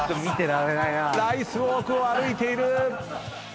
ライスウオークを歩いている！